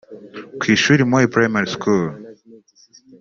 Ku shuli Moi Primary School